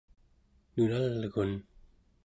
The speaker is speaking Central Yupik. nunalgun